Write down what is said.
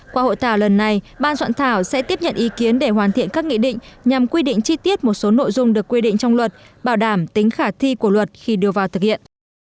qua hội thảo lần này ban soạn thảo sẽ tiếp nhận ý kiến để hoàn thiện các nghị định nhằm quy định chi tiết một số nội dung được quy định trong luật bảo đảm tính khả thi của luật khi đưa vào thực hiện